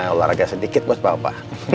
olahraga sedikit buat papa